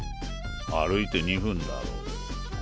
歩いて２分だろ。